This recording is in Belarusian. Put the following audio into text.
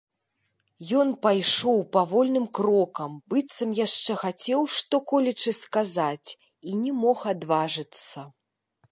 Ён пайшоў павольным крокам, быццам яшчэ хацеў што-колечы сказаць і не мог адважыцца.